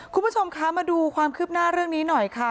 คุณผู้ชมคะมาดูความคืบหน้าเรื่องนี้หน่อยค่ะ